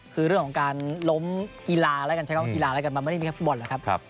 คือเรื่องของการล้มกีฬาแล้วกันใช้คำว่ากีฬาแล้วกันมันไม่ได้มีแค่ฟุตบอลหรอกครับ